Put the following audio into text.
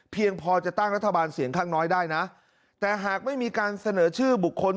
พอจะตั้งรัฐบาลเสียงข้างน้อยได้นะแต่หากไม่มีการเสนอชื่อบุคคล